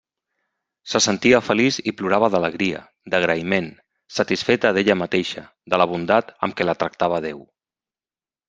Se sentia feliç i plorava d'alegria, d'agraïment, satisfeta d'ella mateixa, de la bondat amb què la tractava Déu.